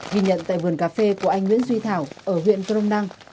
ghi nhận tại vườn cà phê của anh nguyễn duy thảo ở huyện crong năng